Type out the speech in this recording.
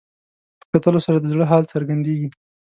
په کتلو سره د زړه حال څرګندېږي